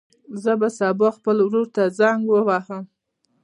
زه به سبا خپل ورور ته زنګ ووهم.